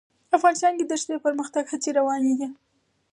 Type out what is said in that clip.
افغانستان کې د دښتې د پرمختګ هڅې روانې دي.